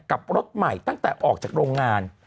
กับรถใหม่ตั้งแต่ออกจากโรงงาน